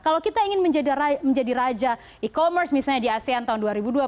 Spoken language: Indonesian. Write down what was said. kalau kita ingin menjadi raja e commerce misalnya di asean tahun dua ribu dua puluh